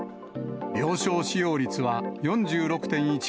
病床使用率は４６．１％。